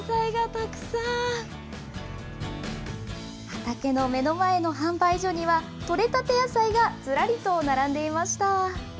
畑の目の前の販売所には、取れたて野菜がずらりと並んでいました。